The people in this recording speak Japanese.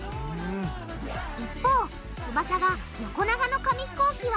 一方翼が横長の紙ひこうきは